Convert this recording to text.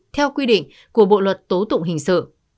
theo quy định của bộ luật tố tụng hình sự